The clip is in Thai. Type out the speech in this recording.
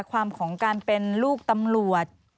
ความของการเป็นลูกตำรวจ